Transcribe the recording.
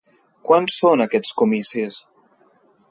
Quan són aquests comicis?